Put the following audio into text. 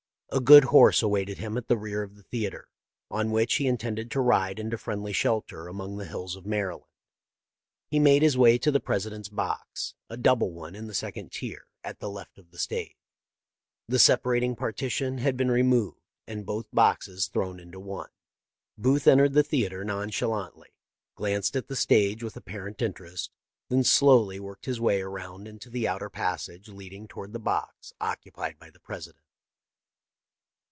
A good horse awaited him at the rear of the theatre, on which he intended to ride into friendly shelter among the hills of Maryland. He made his way to the Presi dent's box — a double one in the second tier, at the left of the stage. Tlie separating partition had been removed, and both boxes thrown into one. " Booth entered the theatre nonchalantly, glanced at the stage with apparent interest, then slowly worked his way around into the outer passage lead ing toward the box occupied by the President.